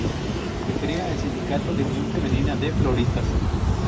Se crea el sindicato de Unión Femenina de Floristas.